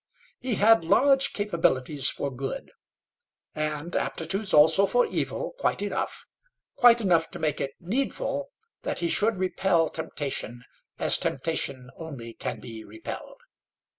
He had large capabilities for good and aptitudes also for evil, quite enough: quite enough to make it needful that he should repel temptation as temptation only can be repelled.